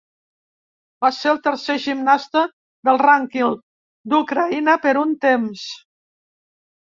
Va ser el tercer gimnasta del rànquing d'Ucraïna per un temps